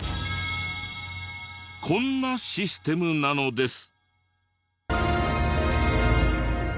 こんなシステムなのです。